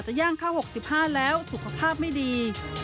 ย่างข้าว๖๕แล้วสุขภาพไม่ดี